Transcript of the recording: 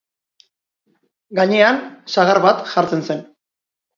Gainean sagar bat jartzen zen.